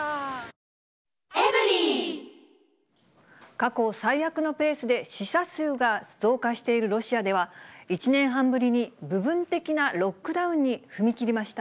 過去最悪のペースで死者数が増加しているロシアでは、１年半ぶりに部分的なロックダウンに踏み切りました。